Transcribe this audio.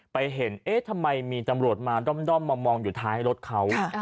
ไปเห็นเอ๊ะทำไมมีตำรวจมาด้อมมามองอยู่ท้ายรถเขา